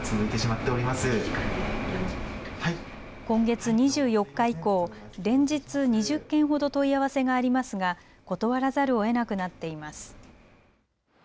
今月２４日以降、連日２０件ほど問い合わせがありますが断らざるをえなくなっています。